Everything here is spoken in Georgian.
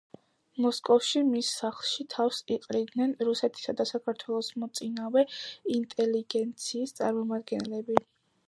მოსკოვში მის სახლში თავს იყრიდნენ რუსეთისა და საქართველოს მოწინავე ინტელიგენციის წარმომადგენლები.